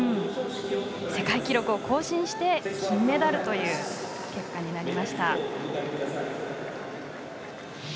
世界記録を更新して金メダルという結果になりました。